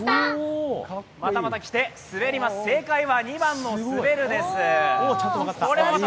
またまたきて正解は２番の滑るです。